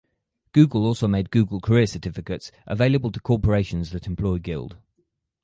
Google also made Google Career Certificates available to corporations that employ Guild.